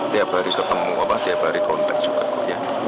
tiap hari ketemu tiap hari kontak juga kok ya